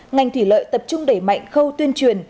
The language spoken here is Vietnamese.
ngành thủy lợi tập trung đẩy mạnh khâu tuyên truyền